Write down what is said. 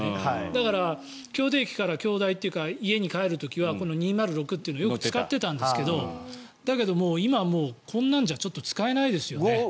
だから、京都駅から京大というか家に帰る時はこの２０６というのをよく使ってたんですけどだけど、今はもうこんなんじゃ使えないですよね。